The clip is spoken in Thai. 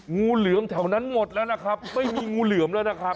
งูเหลือมแถวนั้นหมดแล้วนะครับไม่มีงูเหลือมแล้วนะครับ